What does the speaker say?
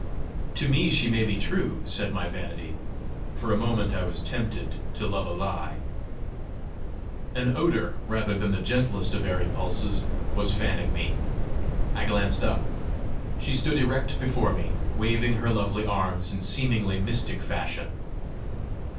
"To me she may be true!" said my vanity. For a moment I was tempted to love a lie. An odour, rather than the gentlest of airy pulses, was fanning me. I glanced up. She stood erect before me, waving her lovely arms in seemingly mystic fashion.